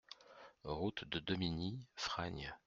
Route de Demigny, Fragnes